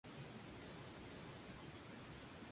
El vehículo fue dañado, pero no hubo víctimas.